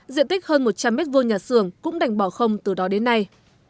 diện tích hơn một trăm linh m hai nhà xưởng cũng đành bỏ không từ đó đến nay